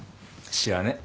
知らねえ。